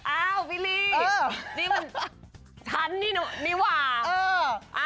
อ้าววิลลี่นี่มันฉันนี่หว่าเออ